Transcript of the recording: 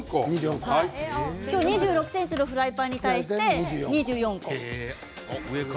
２６ｃｍのフライパンに対して２４個。